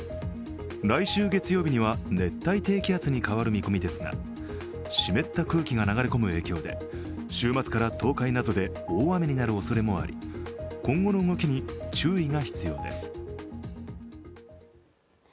来週月曜日には熱帯低気圧に変わる見込みですが、湿った空気が流れ込む影響で週末から東海などで大雨になるおそれもあり今後の動きに注意が必要です。